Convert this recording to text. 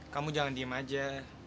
kamu jangan diem aja